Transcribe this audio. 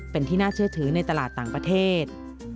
เป็นที่น่าเชื่อถือในตลาดต่างประเทศ